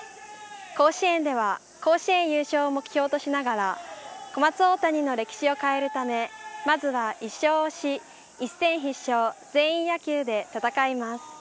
甲子園では甲子園優勝を目標としながら小松大谷の歴史を変えるためまずは一勝をし一戦必勝、全員野球で戦います。